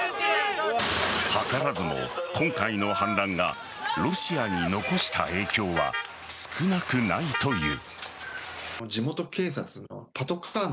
図らずも今回の反乱がロシアに残した影響は少なくないという。